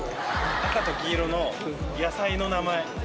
赤と黄色の野菜の名前。